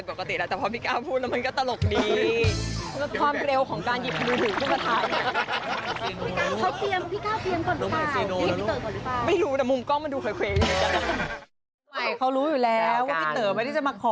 พี่เต๋อไม่ได้จะมาขอแต่งต้องแต่งงานหรอก